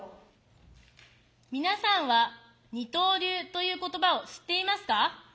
皆さんは二刀流という言葉を知っていますか？